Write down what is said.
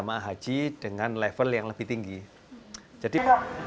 jemaah haji dengan level yang lebih tinggi jadi